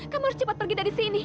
kamu harus cepat pergi dari sini